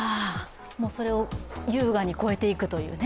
それを優雅に超えていくというね。